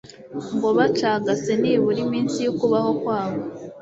ngo bacagase nibura iminsi y'ukubaho kwabo